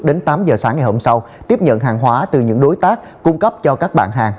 đến tám giờ sáng ngày hôm sau tiếp nhận hàng hóa từ những đối tác cung cấp cho các bạn hàng